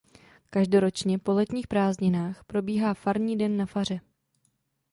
Každoročně po letních prázdninách probíhá Farní den na faře.